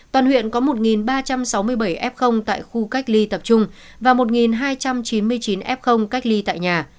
toàn huyện có một ba trăm sáu mươi bảy f tại khu cách ly tập trung và một hai trăm chín mươi chín f cách ly tại nhà